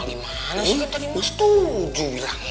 emak malas katanya emak setuju